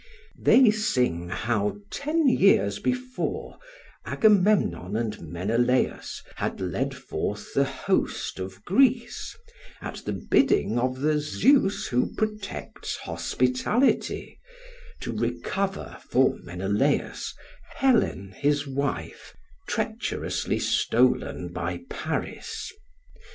They sing how ten years before Agamemnon and Menelaus had led forth the host of Greece, at the bidding of the Zeus who protects hospitality, to recover for Menelaus Helen his wife, treacherously stolen by Paris.